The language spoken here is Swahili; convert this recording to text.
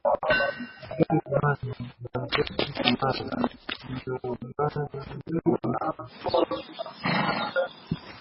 mto kimani na mto chimala imeungana kuunda mto ruaha